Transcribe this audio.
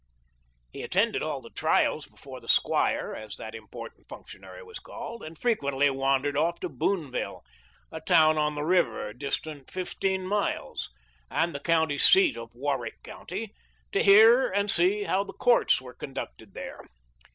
He attended all the trials before the " squire," as that important functionary was called, and frequently wandered off to Boonville, a town on the river, distant fifteen miles, and the county seat of Warrick County, to hear and see how the courts were conducted there.